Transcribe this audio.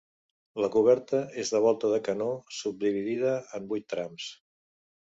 La coberta és de volta de canó subdividida en vuit trams.